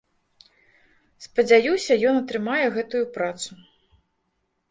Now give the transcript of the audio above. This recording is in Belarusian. Спадзяюся, ён атрымае гэтую працу.